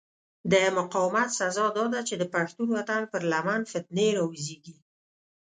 د مقاومت سزا داده چې د پښتون وطن پر لمن فتنې را وزېږي.